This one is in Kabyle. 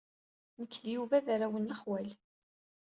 Nekk d Yuba d arraw n lexwal.